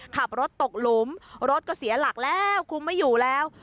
ขับรถตกหลุมรถก็เสียหลักแล้วคุมไม่อยู่แล้ว